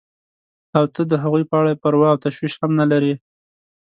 او ته د هغوی په اړه پروا او تشویش هم نه لرې.